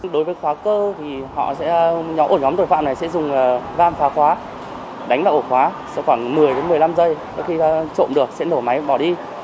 đối với khóa cơ thì họ sẽ ổ nhóm tội phạm này sẽ dùng ram khóa khóa đánh vào ổ khóa sau khoảng một mươi một mươi năm giây khi trộn được sẽ nổ máy bỏ đi